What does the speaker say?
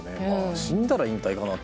死んだら引退かなと。